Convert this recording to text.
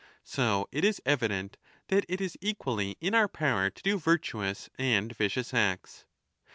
So it is evident that it is equally in our power to do virtuous and vicious acts.